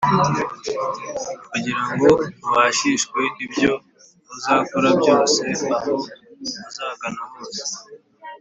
kugira ngo ubashishwe ibyo uzakora byose aho uzagana hose,